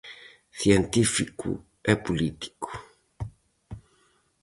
Científico e político.